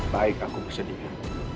baik aku bersedia